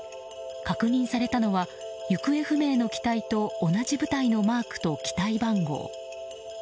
確認されたのは行方不明の機体と同じマークと機体番号。